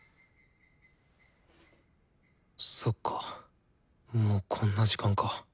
そっかもうこんな時間か。